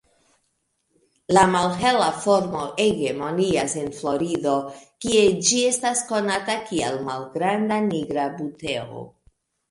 La malhela formo hegemonias en Florido, kie ĝi estas konata kiel "malgranda nigra buteo".